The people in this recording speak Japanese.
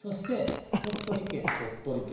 鳥取県。